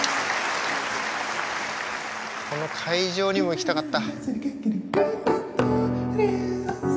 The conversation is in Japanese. この会場にも行きたかった。